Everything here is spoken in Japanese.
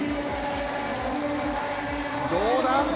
どうだ？